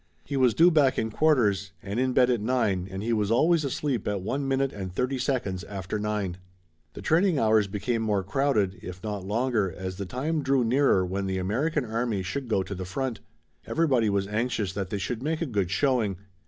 He was due back in quarters and in bed at nine and he was always asleep at one minute and thirty seconds after nine. The training hours became more crowded, if not longer, as the time drew nearer when the American army should go to the front. Everybody was anxious that they should make a good showing.